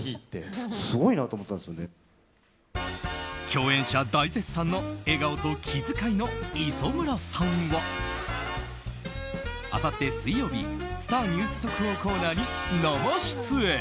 共演者大絶賛の笑顔と気遣いの磯村さんはあさって水曜日スター☆ニュース速報コーナーに生出演。